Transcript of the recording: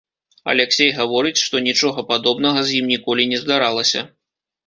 Аляксей гаворыць, што нічога падобнага з ім ніколі не здаралася.